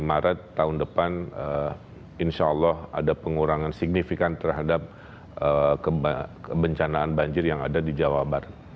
maret tahun depan insya allah ada pengurangan signifikan terhadap kebencanaan banjir yang ada di jawa barat